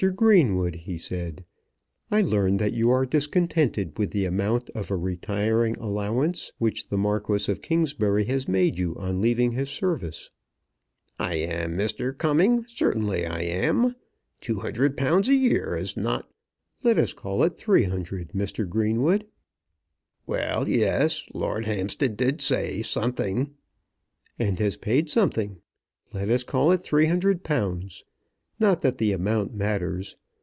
Greenwood," he said, "I learn that you are discontented with the amount of a retiring allowance which the Marquis of Kingsbury has made you on leaving his service." "I am, Mr. Cumming; certainly I am. £200 a year is not " "Let us call it £300, Mr. Greenwood." "Well, yes; Lord Hampstead did say something " "And has paid something. Let us call it £300. Not that the amount matters.